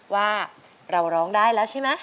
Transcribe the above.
ว่าเราร้องได้แล้วใช่ไหม